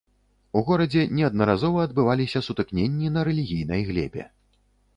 У горадзе неаднаразова адбываліся сутыкненні на рэлігійнай глебе.